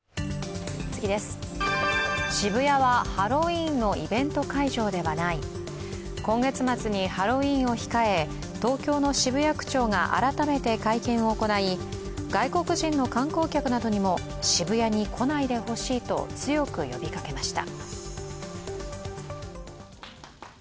渋谷はハロウィーンのイベント会場ではない今月末にハロウィーンを控え東京の渋谷区長が改めて会見を行い外国人の観光客などにも渋谷に来ないでほしいと強く呼びかけました。